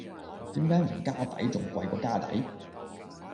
點解唔加底仲貴過加底?